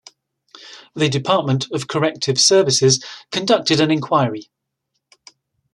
The Department of Corrective Services conducted an inquiry.